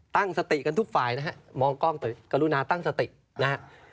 ตั้งสติกันทุกฝ่ายนะฮะมองกล้องกรุณาตั้งสตินะฮะ